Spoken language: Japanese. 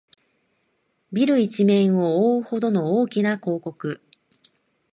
ビル一面をおおうほどの大きな広告